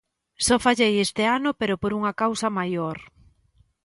Só fallei este ano pero por unha causa maior.